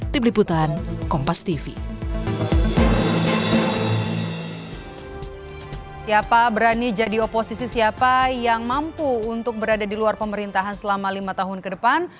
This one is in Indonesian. siapa berani jadi oposisi siapa yang mampu untuk berada di luar pemerintahan selama lima tahun ke depan